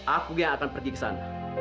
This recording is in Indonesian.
aku yang akan pergi kesana